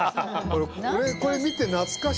俺これ見て懐かしいあっ